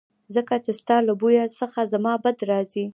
ځکه چې ستا له بوی څخه زما بد راځي